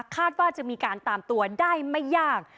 คาดว่าจะมีการตามตัวได้ไม่ยาก